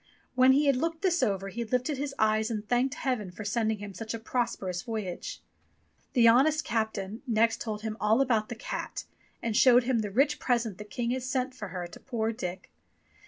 When he had looked this over he lifted his eyes and thanked heaven for sending him such a prosperous voyage. DICK WHITTINGTON AND HIS CAT 249 The honest captain next told him all about the cat, and showed him the rich present the King had sent for her to poor Dick.